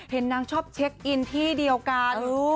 เห็นนางชอบเช็คอินที่เดียวกัน